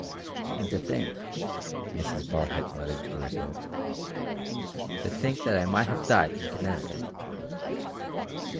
"And to think," Mrs. Barhyte muttered to herself, "to think that I might have died in Connecticut!"